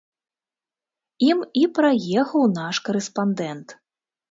Ім і праехаў наш карэспандэнт.